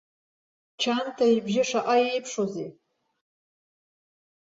Чанҭа ибжьы шаҟа иеиԥшузеи.